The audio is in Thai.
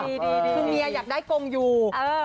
คุณเมียอยากได้กงยู